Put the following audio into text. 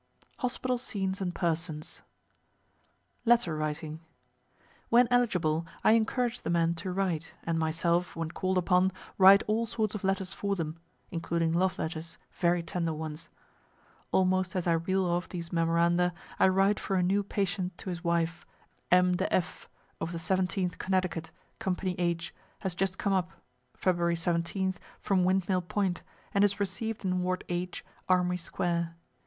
HOSPITAL SCENES AND PERSONS Letter Writing. When eligible, I encourage the men to write, and myself, when called upon, write all sorts of letters for them (including love letters, very tender ones.) Almost as I reel off these memoranda, I write for a new patient to his wife. M. de F., of the 17th Connecticut, company H, has just come up (February 17th) from Windmill point, and is received in ward H, Armory square.